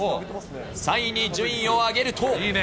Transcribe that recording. ３位に順位を上げると。